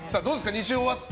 ２週終わって。